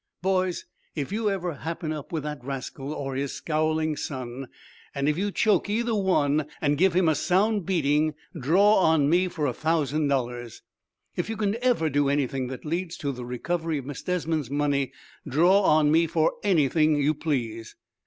"Boys, if you ever happen up with that rascal, or his scowling son, and if you choke either one, and give him a sound beating, draw on me for a thousand dollars. If you can ever do anything that leads to the recovery of Miss Desmond's money, draw on me for anything you please!"